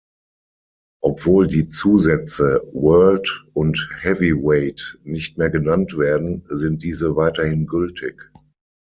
Obwohl die Zusätze "World" und "Heavyweight" nicht mehr genannt werden, sind diese weiterhin gültig.